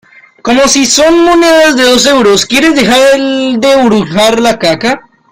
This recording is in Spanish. como si son monedas de dos euros, ¿ quieres dejar de hurgar la caca